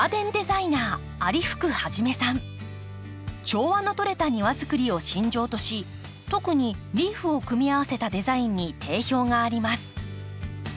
調和のとれた庭づくりを信条とし特にリーフを組み合わせたデザインに定評があります。